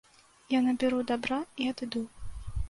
Я набяру дабра і адыду.